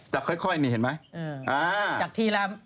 จับค่อยแบบนี้เห็นไหม